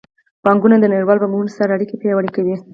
بانکونه د نړیوالو بانکونو سره اړیکې پیاوړې کوي.